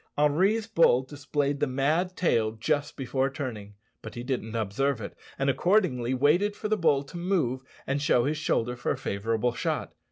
Henri's bull displayed the mad tail just before turning, but he didn't observe it, and, accordingly, waited for the bull to move and show his shoulder for a favourable shot.